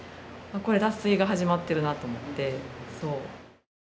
これ脱水が始まってるなと思って。